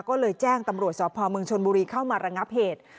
ก็เลยแจ้งตำรวจสพเมืองชนบุรีเข้ามาระงับเหตุ